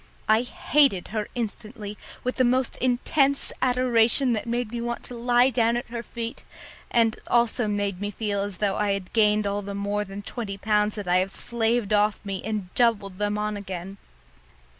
I hated her instantly with the most intense adoration that made me want to lie down at her feet, and also made me feel as though I had gained all the more than twenty pounds that I have slaved off me and doubled them on again.